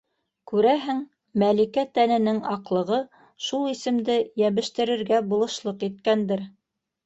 Күрәһең, Мәликә тәненең аҡлығы шул исемде йәбештерергә булышлыҡ иткәндер.